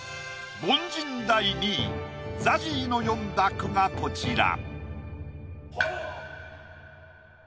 凡人第２位ＺＡＺＹの詠んだ句がこちら。